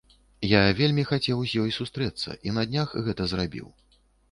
Я вельмі хацеў з ёй сустрэцца, і на днях гэта зрабіў.